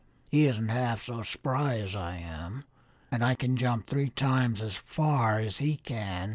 He isn't half so spry as I am, and I can jump three times as far as he can.